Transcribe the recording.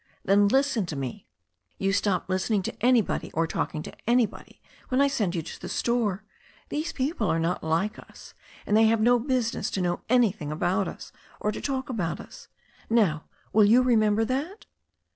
"Then, listen to me. You stop listening to anybody or talking to anybody when I send you to the store. These people are not like us, and they have no business to know anything about us, or to talk about us. Now will you re member that?"